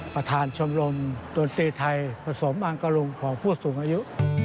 ประธานชมรมดนตรีไทยผสมอังกลงของผู้สูงอายุ